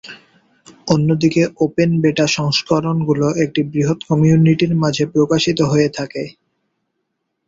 অন্যদিকে open beta সংস্করণগুলো একটি বৃহৎ কমিউনিটির মাঝে প্রকাশিত হয়ে থাকে।